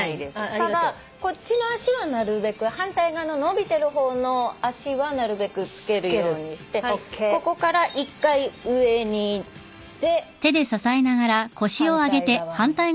ただこっちの足はなるべく反対側の伸びてる方の足はなるべくつけるようにしてここから一回上にいって反対側にいって。